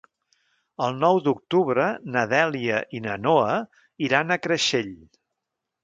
El nou d'octubre na Dèlia i na Noa iran a Creixell.